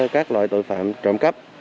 các loại tội phạm trộm cắp